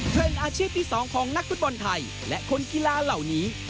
อาชีพที่๒ของนักฟุตบอลไทยและคนกีฬาเหล่านี้